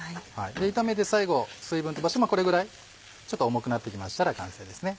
炒めて最後水分飛ばしてこれぐらいちょっと重くなってきましたら完成です。